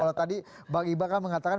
kalau tadi bang iba kan mengatakan